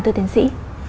thưa tiến sĩ